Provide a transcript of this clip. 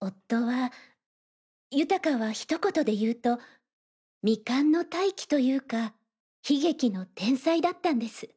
夫は豊は一言で言うと未完の大器というか悲劇の天才だったんです。